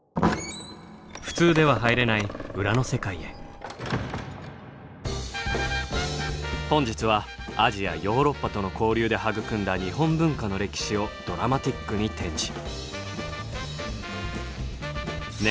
普通では入れない本日はアジアヨーロッパとの交流で育んだ日本文化の歴史をドラマティックに展示。